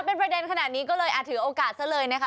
เป็นประเด็นขนาดนี้ก็เลยอาจถือโอกาสซะเลยนะคะ